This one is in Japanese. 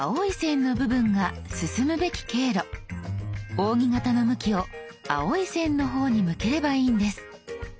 扇形の向きを青い線の方に向ければいいんです。